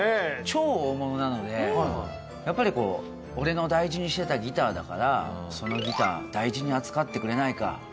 超大物なのでやっぱり「俺の大事にしてたギターだからそのギター大事に扱ってくれないか」。